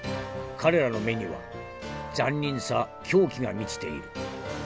彼らの目には残忍さ狂気が満ちている。